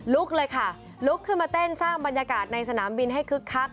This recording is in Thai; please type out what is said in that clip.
เลยค่ะลุกขึ้นมาเต้นสร้างบรรยากาศในสนามบินให้คึกคัก